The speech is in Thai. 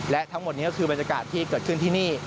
และทั้งหมดนี้ก็คือบรรยากาศที่เกิดขึ้นที่นี่